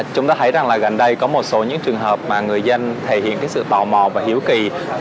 chúng ta thấy gần đây có một số những trường hợp mà người dân thể hiện sự tò mò và hiếu kỳ